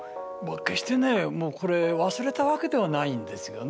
決してねこれ忘れたわけではないんですよね。